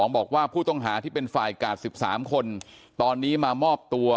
บอกว่าผู้ต้องหาที่เป็นฝ่ายกาด๑๓คนตอนนี้มามอบตัว